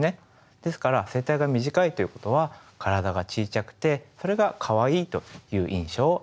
ですから声帯が短いっていうことは体が小ちゃくてそれがかわいいという印象を与えます。